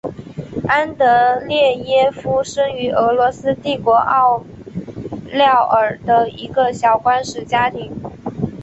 安德列耶夫生于俄罗斯帝国奥廖尔的一个小官吏家庭。